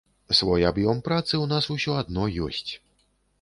Свой аб'ём працы ў нас ўсё адно ёсць.